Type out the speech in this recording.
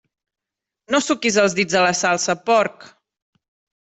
No suquis els dits a la salsa, porc!